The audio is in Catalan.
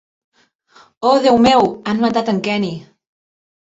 Oh Déu meu, han matat en Kenny!